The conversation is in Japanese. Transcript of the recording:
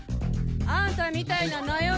「あんたみたいななよ